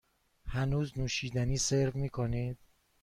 هنوز نوشیدنی سرو می کنید؟